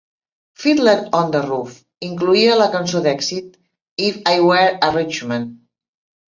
"Fiddler on the Roof" incloïa la cançó d'èxit "If I Were a Rich Man".